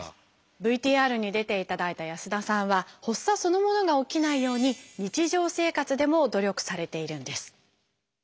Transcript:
ＶＴＲに出ていただいた安田さんは発作そのものが起きないように日常生活でも努力されているんです。